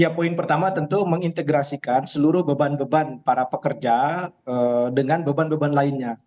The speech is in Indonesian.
ya poin pertama tentu mengintegrasikan seluruh beban beban para pekerja dengan beban beban lainnya